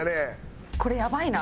これやばいな！